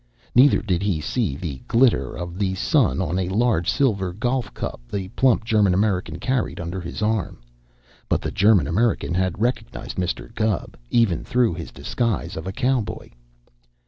Neither did he see the glitter of the sun on a large silver golf cup the plump German American carried under his arm; but the German American had recognized Mr. Gubb, even through his disguise of a cowboy.